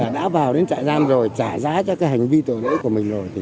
đã vào đến trại giam rồi trả giá cho hành vi tội lỗi của mình rồi